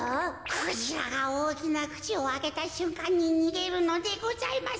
クジラがおおきなくちをあけたしゅんかんににげるのでございます。